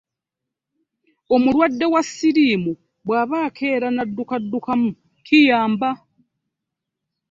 Omulwadde wa siirimu bwaba akeera naddukaddukamu kiyamba.